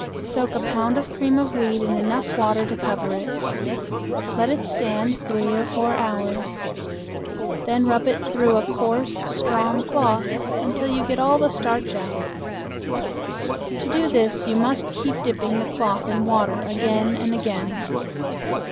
Soak a pound of cream of wheat in enough water to cover it. Let it stand three or four hours. Then rub it through a coarse strong cloth until you get all the starch out. To do this you must keep dipping the cloth in water again and again.